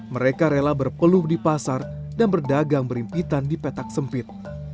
mereka rela berpeluh di pasar dan berdagang berimpitan di petak sempit